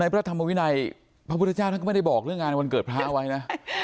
พระธรรมวินัยพระพุทธเจ้าท่านก็ไม่ได้บอกเรื่องงานวันเกิดพระไว้นะ